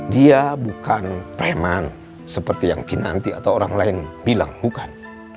dia bukan preman seperti yang kinanti atau orang lain bilang bukan